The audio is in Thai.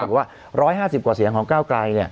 ๑๕๐กว่าเสียงของเก้าไกร